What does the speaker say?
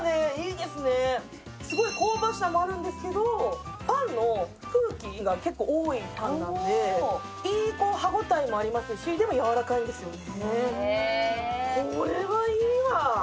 すごい香ばしさもあるんですけどパンの空気が多いパンなのでいい歯応えもありますしでもやわらかいんですよね。